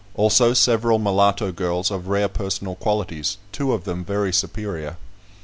Also several mulatto girls of rare personal qualities: two of them very superior.